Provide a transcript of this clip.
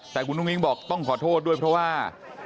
แต่คุณอุ้งอิ๊งบอกต้องขอโทษด้วยเพราะว่า